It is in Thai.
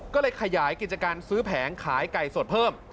ก็เลยขยายกิจการซื้อแผงขายไก่สดเพิ่ม